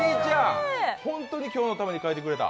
本当に今日のために描いてくれた？